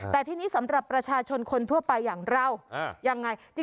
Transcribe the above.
แต่ทีนี้สำหรับประชาชนคนทั่วไปอย่างเรายังไง